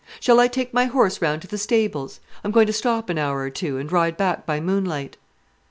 Shall I take my horse round to the stables? I am going to stop an hour or two, and ride back by moonlight."